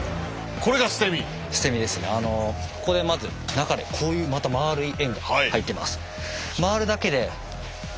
ここでまず中でこういうまた円い円が入ってます。